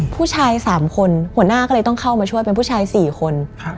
ผู้ชาย๓คนหัวหน้าก็เลยต้องเข้ามาช่วยเป็นผู้ชาย๔คน